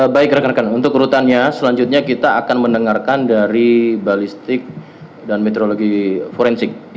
baik rekan rekan untuk urutannya selanjutnya kita akan mendengarkan dari balistik dan meteorologi forensik